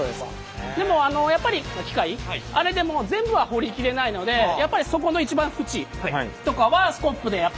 でもやっぱり機械あれでも全部は掘りきれないのでやっぱり底の一番縁とかはスコップでやっぱり最後は。